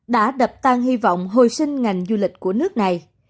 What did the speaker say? đã đập tan hy vọng hồi sinh ngành du lịch của nước này